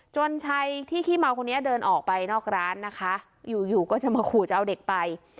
ชายที่ขี้เมาคนนี้เดินออกไปนอกร้านนะคะอยู่อยู่ก็จะมาขู่จะเอาเด็กไป